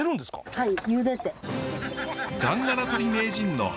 はい。